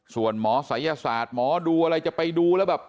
ส่วนหมอศัยศาสตร์หมอดูอะไรจะไปดูแล้วแบบ